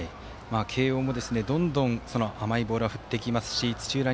慶応もどんどん甘いボールは振ってきますし土浦